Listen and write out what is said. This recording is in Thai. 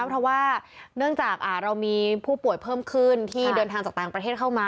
เพราะว่าเนื่องจากเรามีผู้ป่วยเพิ่มขึ้นที่เดินทางจากต่างประเทศเข้ามา